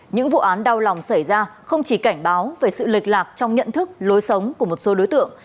những vụ án đau lòng xảy ra không chỉ cảnh báo về sự lệch lạc trong nhận thức lối sống của một số đối tượng